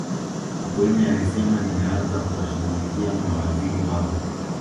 sokoine alisema ninaanza kuwashughulikia mawaziri wangu